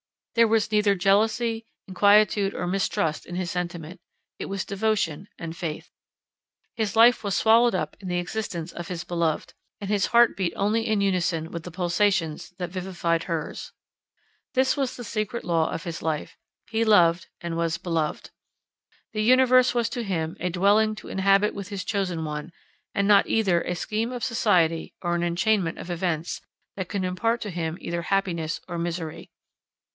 There was neither jealousy, inquietude, or mistrust in his sentiment; it was devotion and faith. His life was swallowed up in the existence of his beloved; and his heart beat only in unison with the pulsations that vivified hers. This was the secret law of his life—he loved and was beloved. The universe was to him a dwelling, to inhabit with his chosen one; and not either a scheme of society or an enchainment of events, that could impart to him either happiness or misery.